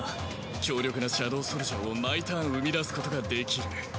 強力なシャドウソルジャーを毎ターン生み出すことができる。